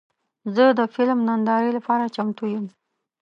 زه د فلم نندارې لپاره چمتو یم.